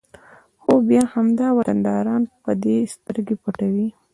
خو بیا همدا وطنداران په دې سترګې پټوي